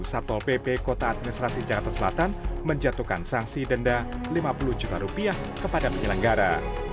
satpol pp kota administrasi jakarta selatan menjatuhkan sanksi denda lima puluh juta rupiah kepada penyelenggara